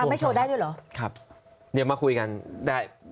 ไม่โชว์ได้ด้วยเหรอครับเดี๋ยวมาคุยกันได้